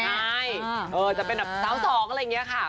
ใช่จะเป็นแบบเศร้าสองอะไรอย่างเงี้ยค่ะ